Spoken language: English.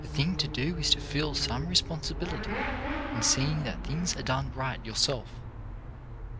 The thing to do is to feel some responsibility in seeing that things are done right yourself.